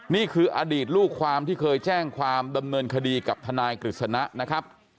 นี่คืออดีตลูกความที่เคยแจ้งความดำเนินคดีกับทนายกฤษณะนะครับ